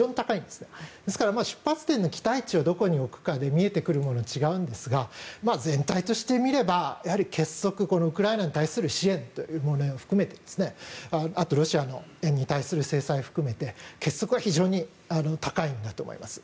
ですから出発点の期待値をどこに置くかで見えてくるものが違うんですが全体として見ればやはり結束、ウクライナに対する支援を含めてあとロシアに対する制裁を含めて結束は非常に高いんだと思います。